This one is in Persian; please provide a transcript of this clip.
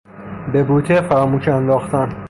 به بوته فراموش انداختن